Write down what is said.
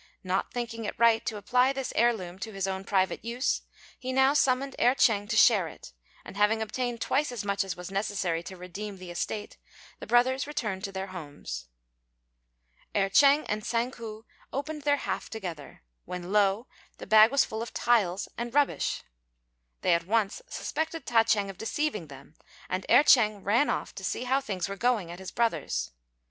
Not thinking it right to apply this heir loom to his own private use, he now summoned Erh ch'êng to share it; and having obtained twice as much as was necessary to redeem the estate, the brothers returned to their homes. Erh ch'êng and Tsang ku opened their half together, when lo! the bag was full of tiles and rubbish. They at once suspected Ta ch'êng of deceiving them, and Erh ch'êng ran off to see how things were going at his brother's.